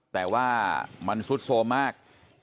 แต่ว่ามันสุดโซ่มาก